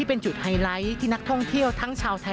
บริเวณหน้าสารพระการอำเภอเมืองจังหวัดลบบุรี